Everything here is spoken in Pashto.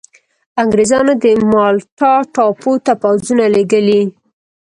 انګرېزانو د مالټا ټاپو ته پوځونه لېږلي.